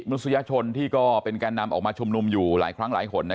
นุษยชนที่ก็เป็นแก่นำออกมาชุมนุมอยู่หลายครั้งหลายคน